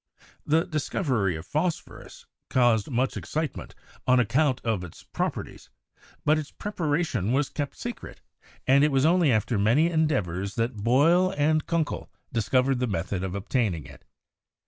The dis covery of phosphorus caused much excitement on account of its properties, but its preparation was kept secret, and it was only after many endeavors that Boyle and Kunckel 146 CHEMISTRY discovered the method of obtaining it.